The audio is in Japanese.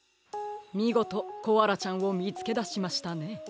みごとコアラちゃんをみつけだしましたね。